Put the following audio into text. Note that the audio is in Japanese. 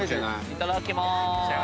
いただきまーす。